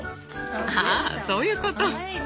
ああそういうこと。